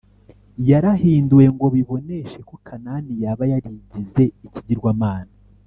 yarahinduwe ngo biboneshe ko kanani yaba yarigize ikigirwamana.